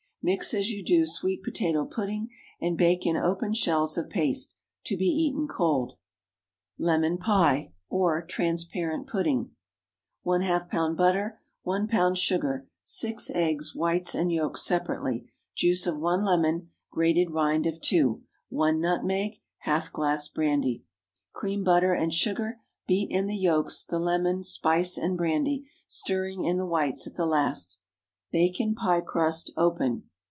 Mix as you do sweet potato pudding, and bake in open shells of paste. To be eaten cold. LEMON PIE (or Transparent Pudding.) ✠ ½ lb. butter. 1 lb. sugar. 6 eggs—whites and yolks separately. Juice of one lemon. Grated rind of two. 1 nutmeg. ½ glass brandy. Cream butter and sugar, beat in the yolks, the lemon, spice, and brandy, stirring in the whites at the last. Bake in pie crust, open.